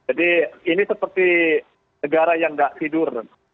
jadi ini seperti negara yang masih berada di kota kota